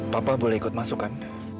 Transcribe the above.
papa boleh ikut masuk kan